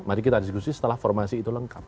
mari kita diskusi setelah formasi itu lengkap